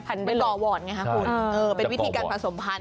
มันก็จะก่อหวอดไงค่ะคุณเป็นวิธีการผสมพันธุ์